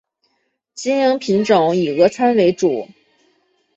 经营品种以俄餐为主。